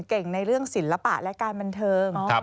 เก่งในเรื่องศิลปะและการบันเทิง